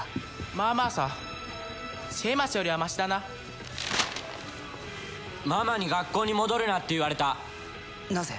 まあまあさシェーマスよりはましだなママに学校に戻るなって言われたなぜ？